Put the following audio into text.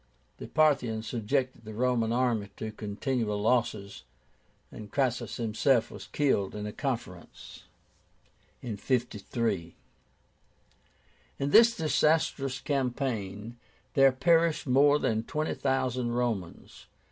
The Parthians subjected the Roman army to continual losses, and Crassus himself was killed in a conference (53). In this disastrous campaign there perished more than twenty thousand Romans.